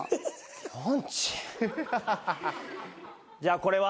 じゃあこれは？